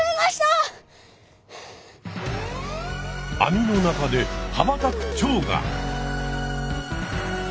あみの中ではばたくチョウが！